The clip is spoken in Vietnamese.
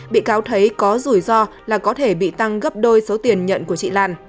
bị cáo thấy có rủi ro là có thể bị tăng gấp đôi số tiền nhận của chị lan